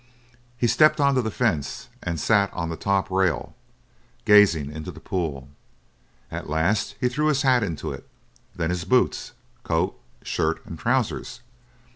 He stepped on to the fence and sat on the top rail gazing into the pool. At last he threw his hat into it, then his boots, coat, shirt, and trousers.